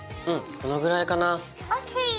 このぐらいかな。ＯＫ！